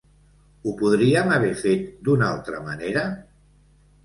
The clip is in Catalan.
Ho podríem haver fet d’una altra manera?